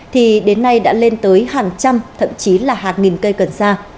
thì đến nay đã lên tới hàng trăm thậm chí là hàng nghìn cây cần sa